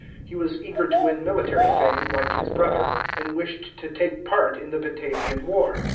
He was eager to win military fame, like his brother, and wished to take part in the Batavian war.